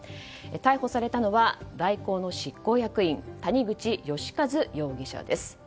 逮捕されたのは大広の執行役員谷口義一容疑者です。